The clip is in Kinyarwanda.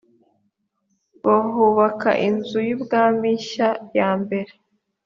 bahubaka inzu y’ubwami nshya ya mbere